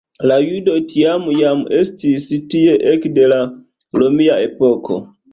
La judoj tiam jam estis tie ekde la romia epoko.